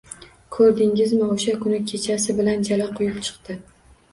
Ko‘rdingizmi, o‘sha kuni kechasi bilan jala quyib chiqdi.